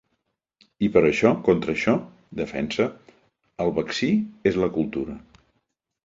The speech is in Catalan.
I per això, contra això, defensa, el vaccí és la cultura.